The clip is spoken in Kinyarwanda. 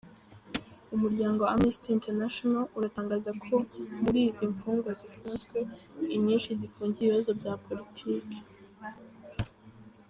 Umuryango Amnesty Internationa, utangaza ko muri izi mfungwa zifunzwe, inyinshi zifungiwe ibibazo bya politike.